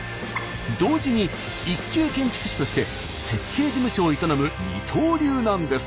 同時に一級建築士として設計事務所を営む二刀流なんです。